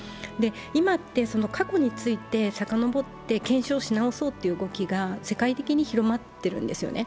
今って、過去についてさかのぼって検証し直そうっていう動きが世界的に広まってるんですよね。